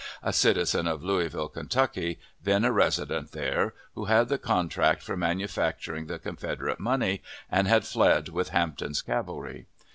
a citizen of Louisville, Kentucky, then a resident there, who had the contract for manufacturing the Confederate money, and had fled with Hampton's cavalry.